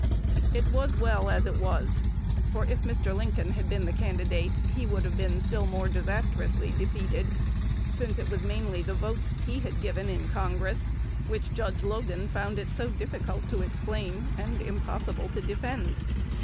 It was well as it was; for, if Mr. Lincoln had been the candidate, he would have been still more disastrously defeated, since it was mainly the votes he had given in Congress which Judge Logan found it so difficult to explain and impossible to defend.